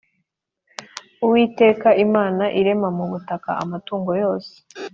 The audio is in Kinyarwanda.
Uwiteka Imana irema mu butaka amatungo yose